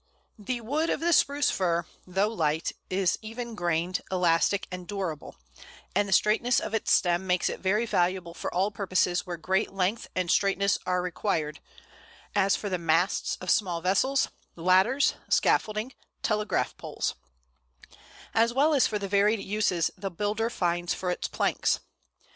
The wood of the Spruce Fir, though light, is even grained, elastic, and durable, and the straightness of its stem makes it very valuable for all purposes where great length and straightness are required, as for the masts of small vessels, ladders, scaffolding, telegraph poles; as well as for the varied uses the builder finds for its planks.